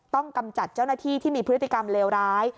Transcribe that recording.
กำจัดเจ้าหน้าที่ที่มีพฤติกรรมเลวร้าย